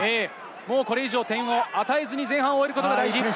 もうこれ以上点を与えずに前半を終えることが大事。